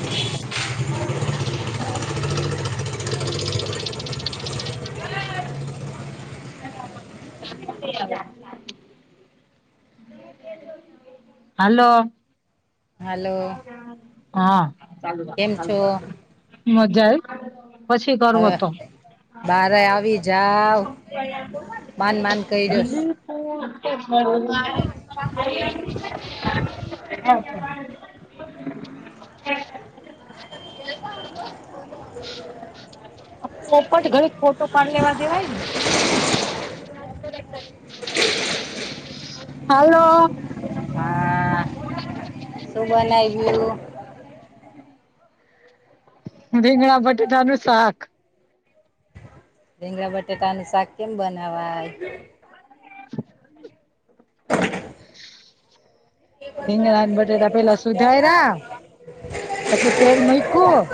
[unintelligible] [unintelligible] હાલો hello હા કેમ છો મજા એ પછી કરવું તો બાર આવી જાાવ માન માન કર્યોસ હ હ [unintelligible] પોપ જ ઘણીક ફોટો પાડ લેવા દેવાય ને [unintelligible] હલો હટ તો બનાવયું ભીંગડા બટેાટનુંું સાક ડેંગડા બટેાટાની શાક કેમ બનાવાય [inaudible] [unintelligible] સીંગણા અને બટેટા પેલા સુધાય પછી તેલ મકવું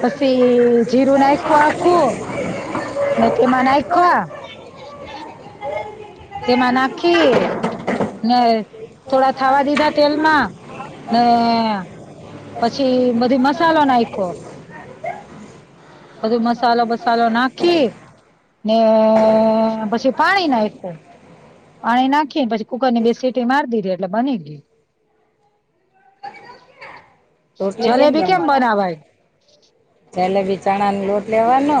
પછી જીરું નાખું આખું ને તેમાં નાખ તેમાં નાખી થોડા થાવા દીધા તેલમાં ને પછી બધી મસાલો નાખો [unintelligible] બધું મસાલો બસાલો નાખી ને પછી પાણી નાખ પાણી નાખીને પછી કુકર ની બે સીટી મારી દી દે લ બને ગ જલેબી કેમ બનાવાય જેલેબી ચણા ન લોટ લેવાનો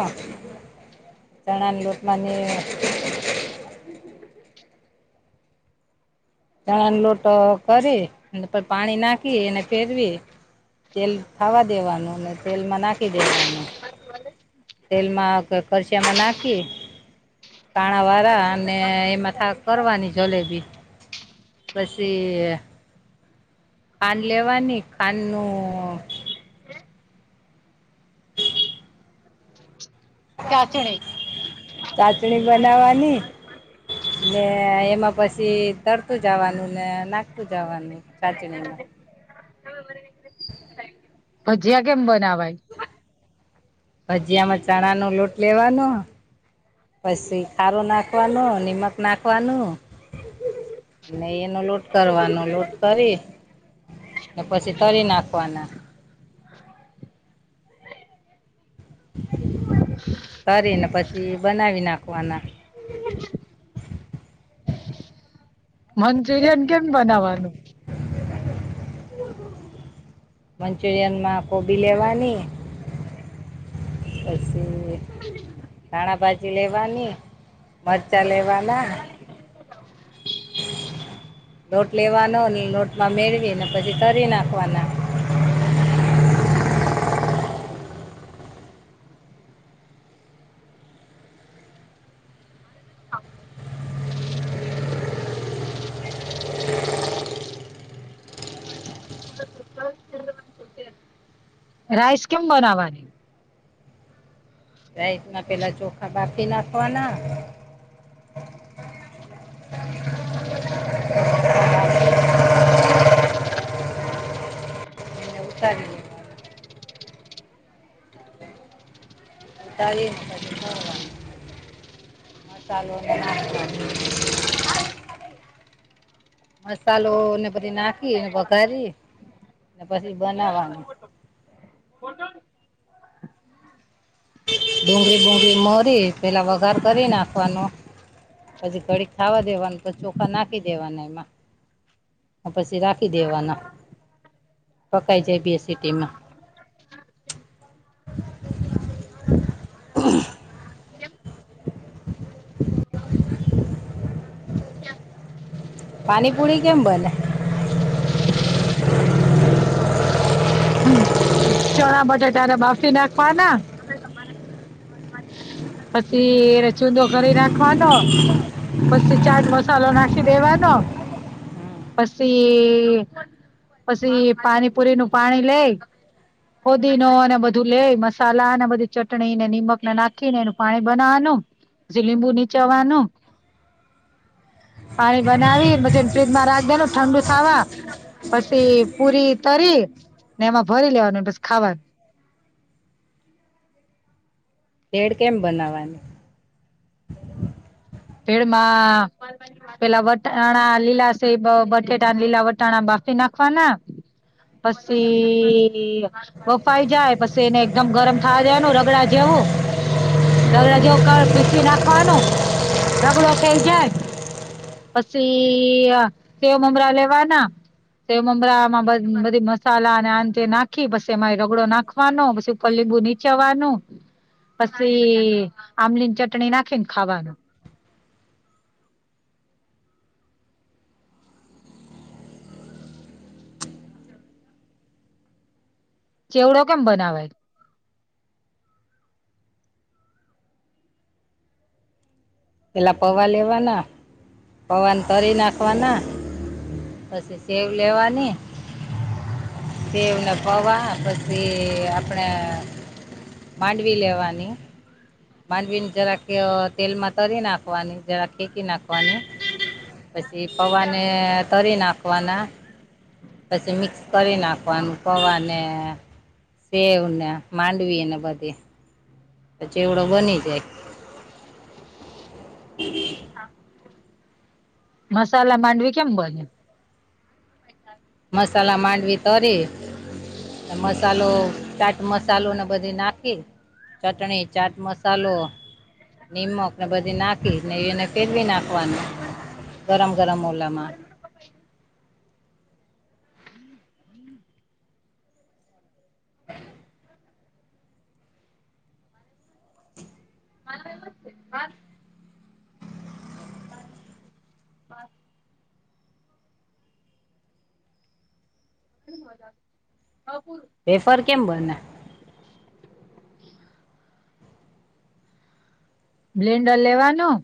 ચણા ન લોટ માં ત લોટો કરી પછ પાણી નાખી અનેને ફેરવી તેલ ખાવા દેવાનું ને તેલમાં નાખી દેવાનું [unintelligible] તેલમાં કરછિયામાં નાખી કાણા વાળા અને એમાં થા કરવાની જલેબી પછી કાન લેવાની કાન નું ચાશણી ચાટણી બનાવાની એમાં પછી તરતું જવાનું ને નાખતું જવાનું ચાચણીમાં હ ભજીયા કેમ બનાવાય ભજીયા માં ચણાનો લોટ લેવાનો પછી ખારો નાખવાનો નિમક નાખવાનું ને એનો લોટ કરવાનો લોટ કરી ને પછી તરી નાખવાના તરીને પછી બનાવી નાખવાના [unintelligible] મંચુરિયન કેમ બનાવવાનું [unintelligible] મંચુરિયન માં કોબી લેવાની [unintelligible] પછી ધાણા ભજ જી લેવાની મરચાં લેવાના [unintelligible] નોટ લેવાનો ની નોટમાં મેળવી ને પછી કરી નાખવાના રાઈસ કેમ બનાવાની? રાઈસના પેલા ચોખા બાફી નાખવાના ને ઉતારી લેવાના [inaudible] [inaudible] મસાલો ને બધી નાખી અને વઘારી પછી બનાવવાનું ડુંગળી બુગરી મોરી પેલા વઘાર કરી નાખવાનો પછી ઘડી ખાવા દેવાનું પછી ચોખા નાખી દેવાના એમાં પછી રાખી દેવાના પકાઈ જાય બે સિટીમાં [unintelligible] પાણી પુરી કેમ બને? હમ ચણા બટેટાને બાફી નાખવાના પછી ચૂદો કરી નાખવાનો પછી ચાટ મસાલો નાખી દેવાનો પછી પછી પાણીપુરી નું પાણી લેય ફોદી ન અને બધું લે મસાલા અને બધી ચટણી ને નિમકને નાખી ને એનુ પાણી બનાવાનું લીંબુ નીચવાનું પાણી બનાવી બધીને ફ્રીજમાં રાખ દેનુ ઠંડુ થાવા પછી પુરી તરી ને એમાં ભરી લેવાનું પસ ખાવાનું પેડ કેમ બનાવવા? પેડમાં પેલા વટાણા લીલા સેબ બટેટા લીલા વટાણા બાફી નાખવાના પછી બફાઈ જાય પછી એને એકદમ ગરમ થાવા દેવાનું રગડા જેવું રગડા જેવો કડ પીસી નાખવાનું રગડો થઈ જાય પછી સેવ મમરા લેવાના સેવ મમરામાં બ બધી મસાલા અને આ તે નાખી બસ એમાં રગડો નાખ વાનો પછી ઉપર લીબૂ નીચવાનું પછી આમલી ચટણી નાખી ને ખાવાનું ચેવડો કેમ બનાવે પેલા પૌવા લેવાના પૌવા તરી નાખવાના પછી સેવ લેવાની સેવ ને પૌવા પ તે આપણે માંડવી લેવાની માંડવી ન જરાક તેલમાં તરી નાખવાની જરા ખેંકી નાખવાની પછી પવાને તરી નાખવાના પછી મિક્સ કરી નાખવાનું પૌવાને સેવને માંડવીને બધી ત ચેવડો બની જાય [inaudible] મસાલા માંડવી કેમ બને? મસલા માડવી તરે ને મસાલો ચાટ મસાલોને બધે નાખે. ચટણી, ચાટમસાલો, નિમકને બધી નાખીને એને ફેરવી નાખવાનું ગરમ ગરમ ઓલામાં [inaudible] [inaudible] [inaudible] વેફર કેમ બને? બ્લેન્ડર લેવાનું.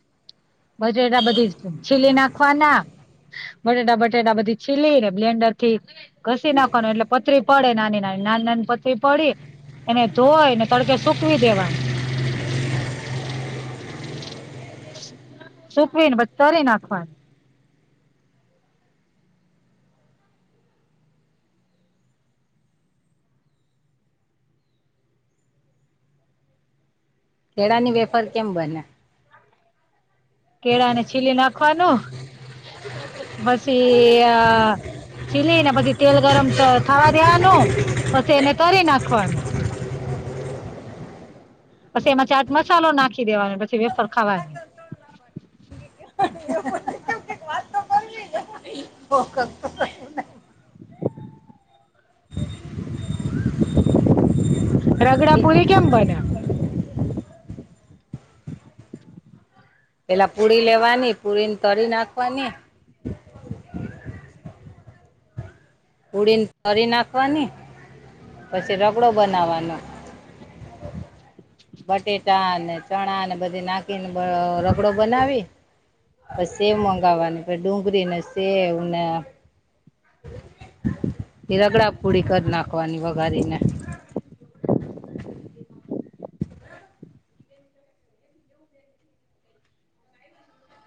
બટેેટા બધી જ છીલી નાખવાના. બટેટા બટેટા બધી છીલીને બ્લેન્ડરથી ઘસી નાખવાનું એટલે પતરી પડે નાની નાની નાની નાની પતરી પડી. એને ધોય ને તડકે સુકવી દેવાનું. સુકવીને પછી તરી નાખવાની. કેળાની વેફર કેમ બને? કેળાને છીલી નાખવાનું પસી અ છીલી ને પછી તેલ ગરમ ત થાવા દેવાનું. પછી એને તરી નાખવાનું. પછી એમાં ચાટ મસાલો નાખી દેવાનો. પછી વેફર ખાવાની. [inaudible] કંઈક વાત તો કરવી ને [inaudible] [unintelligible] [inaudible] રગડાપુરી કેમ બને? પેલા પુડી લેવાની, પુરીને તરી નાખવાની. પુરીને તરી નાખવાની, પછી રગડો બનાવાનો. [unintelligible] બટેટાને, ચણાને બધી નાખીને બ રગડો બનાવી. પસ સેવ મંગાવાની, પસ ડુંગરીને, સેવને એ રગડાપૂડી કર નાખવાની વઘારીને. [unintelligible]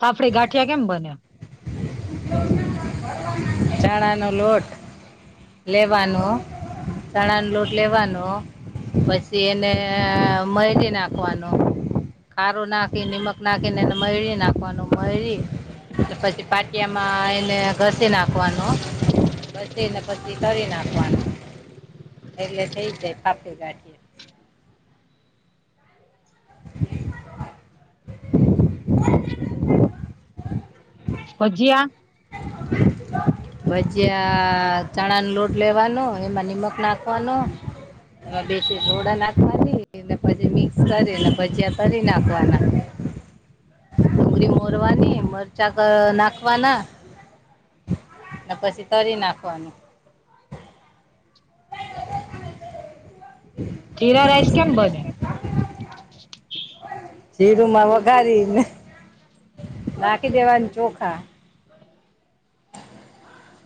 ફાફડી ગાંઠિયા કેમ બને [unintelligible] ચણાનો લોટ લેવાનો. ચણાનો લોટ લેવાનો, પછી એને મયદી નાખવાનો. ખારું નાખી, નિમક નાખીને એને મયડી નાખવાનો, મયડી એટલે પછી પાછ છી એમાં એને ઘસી નાખવાનો, ઘસીને પછી કરી નાખવાનો. એટલે થઈ જાય પાપડી, ગાંઠિયા. [unintelligible] ભજીયા? [inaudible] ભજીયા ચણાનો લોટ લેવાનો, એમાં નિમક નાખવાનો. એમાં બેસી સોડા નાખવાની, ને પછી મિક્સ કરીને ભજીયા તરી નાખવાના. ડુંગરી મોરવાની, મરચાં ક નાખવાના. ને પછી તરી નાખવાનું. [inaudible] જીરા રાઈસ કેમ બને? જીરુમાં વઘારીને, રાખી દેવાન ચોખા.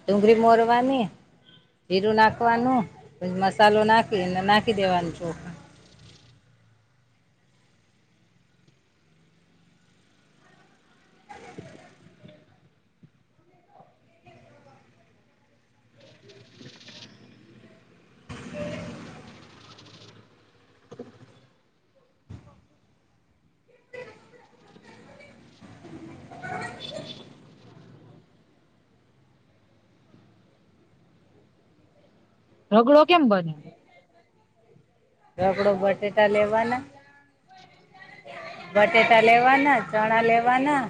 ડુંગરી મોરવાની. જીરું નાખવાનું, પછી મસાલો નાખીને નાખી દેવાનું ચોખા. [inaudible] [unintelligible] રગડો કેમ બને હવે? રગડો બટેટા લેવાના. બટેટા લેવાના, ચણા લેવાના.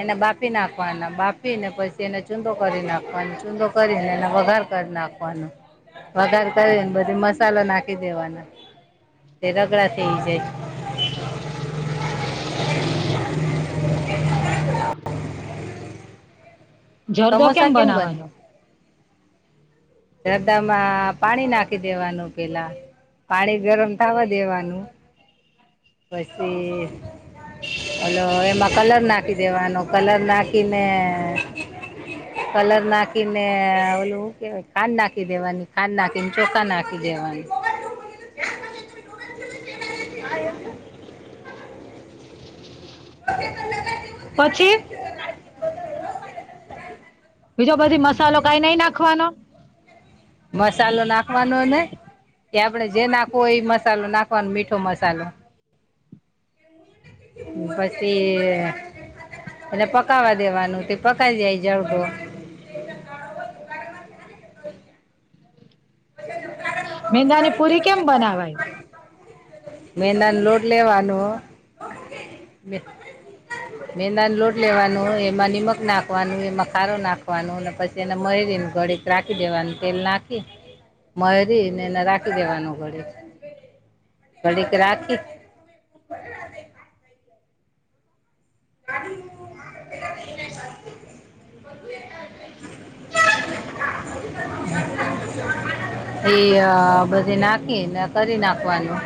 એને બાફી નાખવાના, બાફીને પછી એને ચૂંદો કરી નાખવાનો, ચૂંદો કરીને એને વઘાર કર નાખ વઘાર કરને બધી મસાલો નાખી દેવાનો તે રગડા થઈ જાય જરદો કેમ સમોસા બને બનાવાનો? જરદામાં પાણી નાખી દેવાનું પેલા, પાણી ગરમ થાવા દેવાનું. પસી ઓલો એમાં કલર નાખી દેવાનો, કલર નાખીને મે કલર નાખીને ઓલું કેવાય ખાંડ નાખી દેવાની ખાંડ નાખીને ચોખા નાખી દેવાની [inaudible] હ ઓ પછી બીજો બધી મસાલો કઈ નઈ નાખવાનો મસાલો નાખવાનો ને કે્યા આપડણે જે નાખવું હો એ મસાલો નાખવાનો મીઠો મસાલો પછી એટ પકવા દેવાનું તે પકઈી જાય જળબો મેંદાની પુરી કેમ બનાવાય મે દને લોટ લવાનું મેંદા ન લોટ લેવાનું એમાં નિમક નાખવાનું એમાં ખારો નાખવાનો અને પછી તેને મરી દને ઘડીક રાખી દેવાનું તેલ નાખી મરી ને એને રાખી દેવાનું ઘડીક ઘડી કે રાખી એ બધી નાખી ને કરી નાખવાનું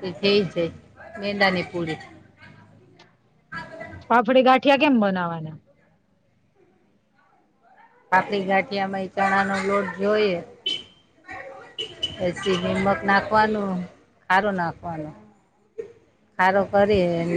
થ છે મેંદાની પૂરી ફાફડી ગાંઠિયા કેમ બનાવાના કાફલી ગાંઠિયામાં એ ચણા નો લોટ જોઈએ પછી નમક નાખવાનું ખારો નાખવાનું સારો કરી